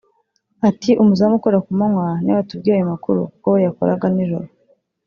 Ati “Umuzamu ukora ku manywa niwe watubwiye ayo makuru kuko we yakoraga nijoro